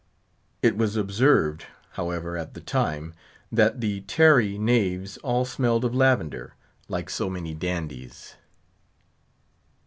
It was observed, however at the time, that the tarry knaves all smelled of lavender, like so many dandies.